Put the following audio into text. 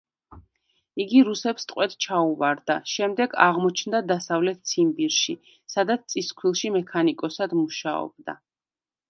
იგი რუსებს ტყვედ ჩაუვარდა, შემდეგ აღმოჩნდა დასავლეთ ციმბირში, სადაც წისქვილში მექანიკოსად მუშაობდა.